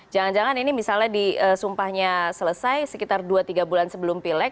jangan jangan ini misalnya disumpahnya selesai sekitar dua tiga bulan sebelum pilek